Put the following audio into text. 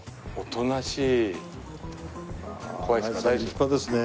立派ですね。